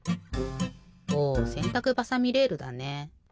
おせんたくばさみレールだね。